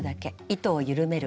糸を緩める。